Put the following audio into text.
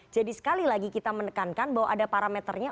jadi sekali lagi kita menekankan bahwa ada parameternya